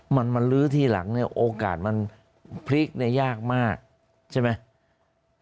มันลื้อที่หลังโอกาสมันพลิกได้ยากมากใช่ไหม